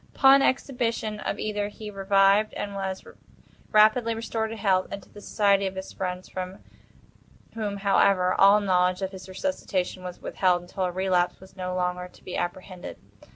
Upon exhibition of ether he revived and was rapidly restored to health, and to the society of his friends—from whom, however, all knowledge of his resuscitation was withheld, until a relapse was no longer to be apprehended.